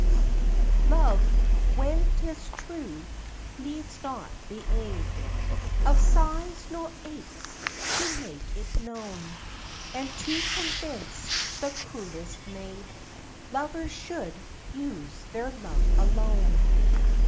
Love, when 'tis true, needs not the aid Of sighs, nor aches, to make it known, And to convince the cruellest maid, Lovers should use their love alone.